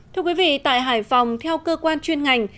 thưa quý vị tại hải phòng theo cơ quan chuyên ngành